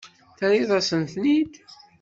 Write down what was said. Terriḍ-asent-ten-id.